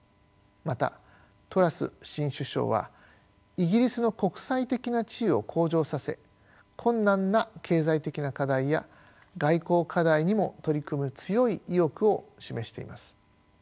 またトラス新首相はイギリスの国際的な地位を向上させ困難な経済的な課題や外交課題にも取り組む強い意欲を示しています。